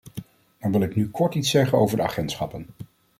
Dan wil ik nu kort iets zeggen over de agentschappen.